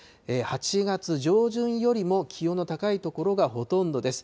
８月上旬よりも気温の高い所がほとんどです。